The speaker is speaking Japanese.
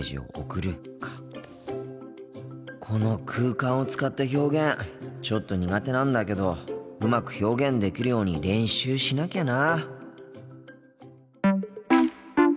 この空間を使った表現ちょっと苦手なんだけどうまく表現できるように練習しなきゃな。